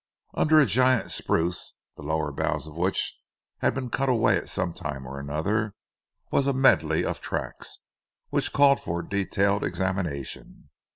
Under a giant spruce, the lower boughs of which had been cut away at some time or another, was a medley of tracks, which called for detailed examination.